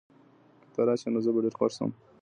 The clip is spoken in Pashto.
که ته راشې، نو زه به ډېر خوښ شم.